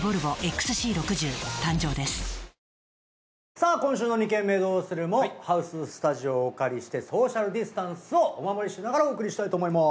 さあ今週の「二軒目どうする？」もハウススタジオをお借りしてソーシャルディスタンスをお守りしながらお送りしたいと思います。